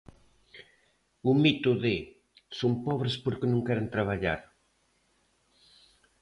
O mito de "son pobres porque non queren traballar".